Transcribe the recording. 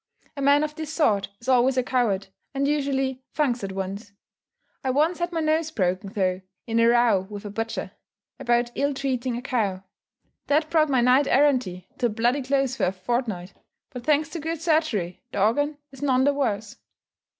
A man of this sort is always a coward, and usually "funks" at once. I once had my nose broken, though, in a row with a butcher about ill treating a cow. That brought my knight errantry to a bloody close for a fortnight; but, thanks to good surgery, the organ is none the worse.